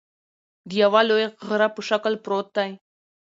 د یوه لوی غره په شکل پروت دى